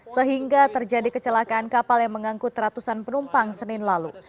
sehingga terjadi kecelakaan kapal yang mengangkut ratusan penumpang senin lalu